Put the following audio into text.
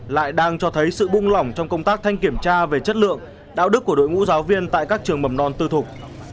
lại đang cho thấy sự bung lỏng trong công tác thanh kiểm tra về chất lượng đạo đức của đội ngũ giáo viên tại các trường mầm non tư thục